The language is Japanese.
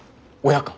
親か？